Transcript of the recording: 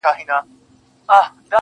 ددې ښـــــار څــــو ليونـيـو